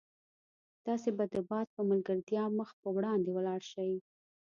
تاسي به د باد په ملګرتیا مخ په وړاندې ولاړ شئ.